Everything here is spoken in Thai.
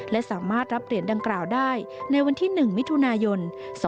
และสามารถรับเหรียญดังกล่าวได้ในวันที่๑มิถุนายน๒๕๖